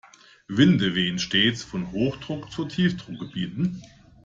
Winde wehen stets von Hochdruck- zu Tiefdruckgebieten.